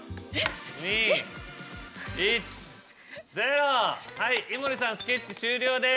はい井森さんスケッチ終了です。